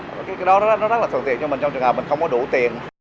cái đó rất là thường tiện cho mình trong trường hợp mình không có đủ tiền